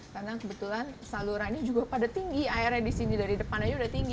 karena kebetulan salurannya juga pada tinggi airnya di sini dari depan aja udah tinggi